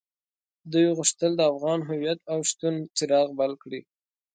دوی غوښتل د افغان هويت او شتون څراغ بل کړي.